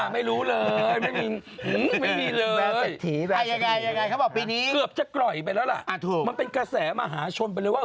มันจะกล่อยไปแล้วล่ะมันเป็นกระแสมหาชนไปเลยว่า